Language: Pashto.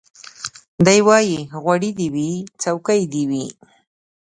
دی وايي غوړي دي وي څوکۍ دي وي